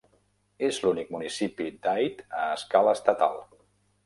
És l'únic municipi d'Aid a escala estatal.